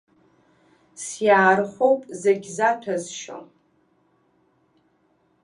Сиаархәоуп зегь заҭәазшьо.